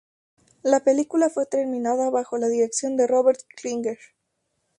La película fue terminada bajo la dirección de Robert Klinger.